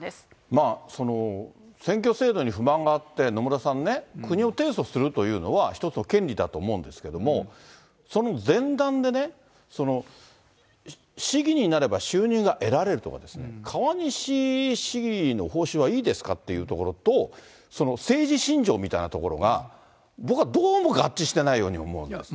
まあ、選挙制度に不満があって、野村さんね、国を提訴するというのは、一つの権利だと思うんですけども、その前段でね、市議になれば収入が得られるとかですね、川西市議の報酬はいいですかっていうところと、政治信条みたいなところが、僕はどうも合致してないように思うんですね。